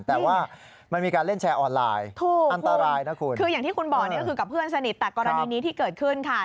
แต่ว่ามันมีการเล่นแชร์ออนไลน์ถูกอันตรายนะคุณคืออย่างที่คุณบอกเนี่ยก็คือกับเพื่อนสนิทแต่กรณีนี้ที่เกิดขึ้นค่ะ